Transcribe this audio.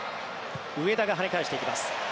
上田が跳ね返していきます。